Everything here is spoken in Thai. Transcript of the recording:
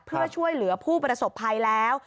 เพื่อช่วยเหลือผู้ประสบภัยแล้ว